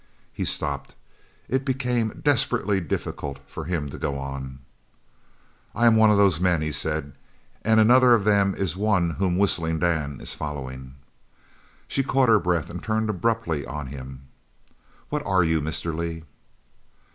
He stopped. It became desperately difficult for him to go on. "I am one of those men," he said, "and another of them is the one whom Whistling Dan is following." She caught her breath and turned abruptly on him. "What are you, Mr. Lee?"